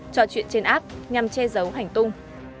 trò chuyện trên app nhằm che giấu hành tung